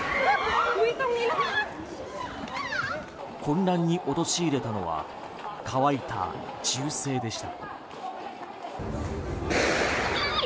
混乱に陥れたのは乾いた銃声でした。